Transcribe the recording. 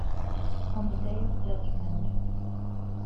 On the day of judgment.